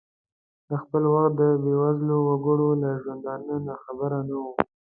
د خپل وخت د بې وزلو وګړو له ژوندانه ناخبره نه ؤ.